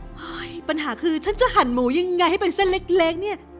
เฮ้ยปัญหาคือฉันจะหั่นหมูยังไงให้เป็นเส้นเล็กเนี่ย